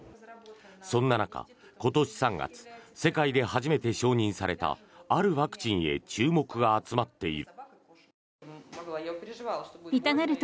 そんな中、今年３月世界で初めて承認されたあるワクチンへ注目が集まっている。